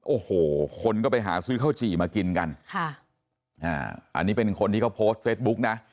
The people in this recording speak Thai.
โอ้โหคนก็ไปหาซื้อข้าวจี่มากินกันค่ะอ่าอันนี้เป็นคนที่เขาโพสต์เฟซบุ๊กนะ